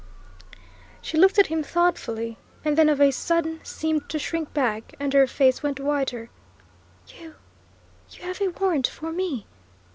She looked at him thoughtfully, and then of a sudden seemed to shrink back, and her face went whiter. "You you have a warrant for me!"